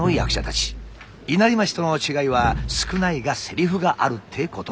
稲荷町との違いは少ないがセリフがあるってこと。